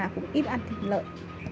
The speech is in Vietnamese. cũng ít ăn thịt lợn